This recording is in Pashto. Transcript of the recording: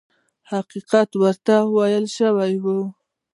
حقیقت ورته وویل شي.